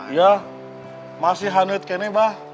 iya masih hanyut kini bah